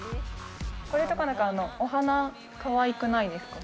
これとか、なんかお花かわいくないですか？